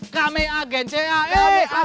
kami agen cae